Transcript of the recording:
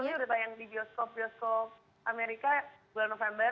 ini udah tayang di bioskop bioskop amerika bulan november